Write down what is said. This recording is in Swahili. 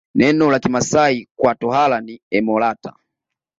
Neno la Kimasai kwa tohara ni emorata